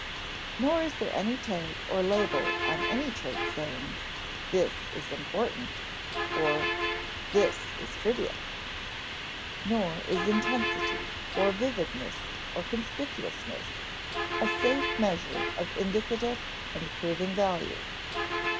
Nor is there any tag or label on any trait saying: "This is important," or "This is trivial." Nor is intensity, or vividness or conspicuousness, a safe measure of indicative and proving value.